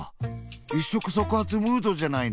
一触即発ムードじゃないの！